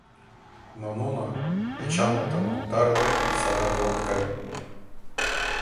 Но нуно, Эчанмытым утарыде, садак огыт кай.